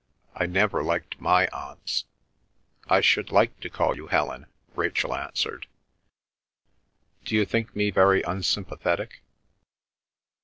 I never liked my Aunts." "I should like to call you Helen," Rachel answered. "D'you think me very unsympathetic?"